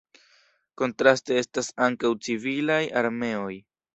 Kontraste estas ankaŭ civilaj armeoj.